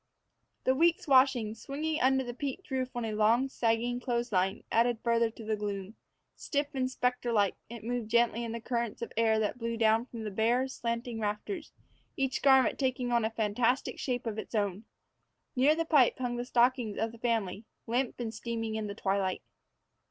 The week's washing, swinging under the peaked roof on a long, sagging clothes line, added further to the gloom. Stiff and specter like, it moved gently in the currents of air that blew down from the bare, slanting rafters, each garment taking on a fantastic shape of its own. Near the pipe hung the stockings of the family, limp and steaming in the twilight.